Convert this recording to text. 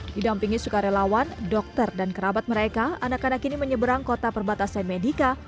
didampingi sukarelawan dokter dan kerabat mereka anak anak ini menyeberang kota perbatasan medica